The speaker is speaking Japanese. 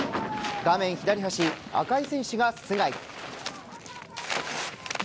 画面左端、赤い選手が須貝。